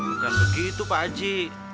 bukan begitu pak haji